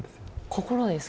心ですか？